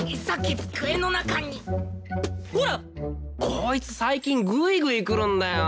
こいつ最近グイグイくるんだよ。